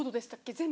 全部。